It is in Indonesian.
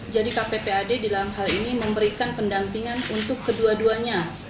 jadi kppad di dalam hal ini memberikan pendampingan untuk kedua duanya